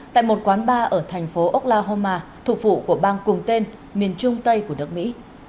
tại một quán bar ở thành phố oklahoma thuộc vụ của bang cùng tên miền trung tây của nước mỹ